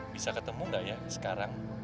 bisa ketemu nggak ya sekarang